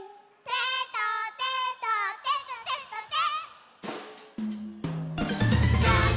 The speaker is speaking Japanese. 「テトテトテトテトテ」